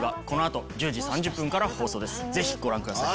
ぜひご覧ください。